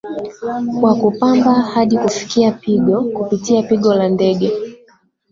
kwa kupamba hadi kufikia pigo kupitia pigo la ndege